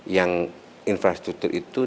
yang infrastruktur itu